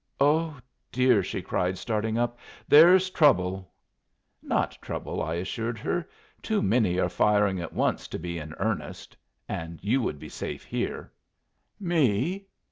"Oh, dear!" she cried, starting up. "There's trouble." "Not trouble," I assured her. "Too many are firing at once to be in earnest. And you would be safe here." "Me?